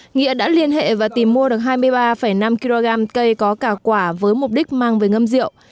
nghĩa đã liên hệ và tìm mua được hai mươi ba năm kg cây có cả quả với mục đích mang về ngâm rượu